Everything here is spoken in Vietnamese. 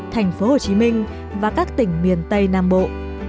thành phố hồ chí minh và các tỉnh miền tây nam bộ